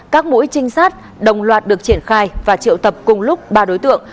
các mũi trinh sát đồng loạt được triển khai và triệu tập cùng lúc ba đối tượng